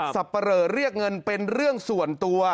ับปะเหลอเรียกเงินเป็นเรื่องส่วนตัว